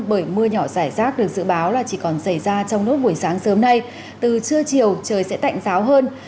từ trưa chiều trời sẽ tạnh giáo hơn